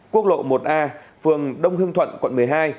quốc lộ một a phường đông hương thuận quận một mươi hai